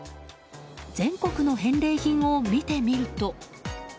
全国の返礼品を見てみると。